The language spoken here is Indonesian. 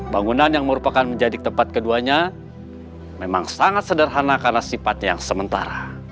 bangunan yang merupakan menjadi tempat keduanya memang sangat sederhana karena sifatnya yang sementara